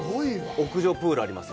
屋上プールありますよ。